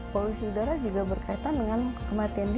polusi udara juga berkaitan dengan kematian